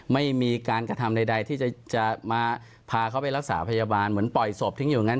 ไม่มีการกระทำใดที่จะมาพาเขาไปรักษาพยาบาลเหมือนปล่อยศพทิ้งอยู่อย่างนั้น